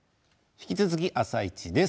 引き続き「あさイチ」です。